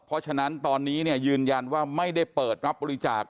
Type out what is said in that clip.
เพราะฉะนั้นตอนนี้ยืนยันว่าไม่ได้เปิดรับบริจาค